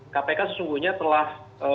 kpk sesungguhnya telah